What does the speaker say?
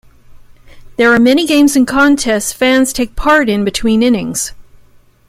There are many games and contests fans take part in between innings.